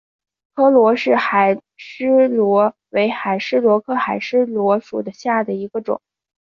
柯罗氏海蛳螺为海蛳螺科海蛳螺属下的一个种。